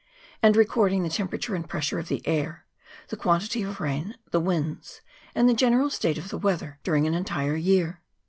and re cording the temperature and pressure of the air, the quantity of rain, the winds, and the general state of the weather during an entire year.